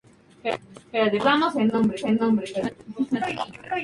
Un problema surge cuando Y es continua.